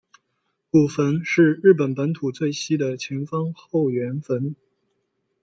古坟是日本本土最西的前方后圆坟。